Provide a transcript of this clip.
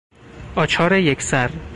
آچار یک سر